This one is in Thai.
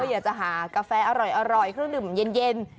อยากจะหากาแฟอร่อยเครื่องดื่มเย็น